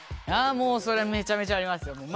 あもうそりゃめちゃめちゃありますよ。